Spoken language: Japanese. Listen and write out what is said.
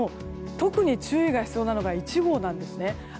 特に注意が必要なのが１号なんですね。